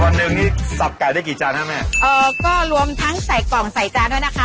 วันหนึ่งนี่ซับกลายได้กี่จานครับแม่อ่าก็รวมทั้งไส่กล่องไส้จานด้วยนะคะ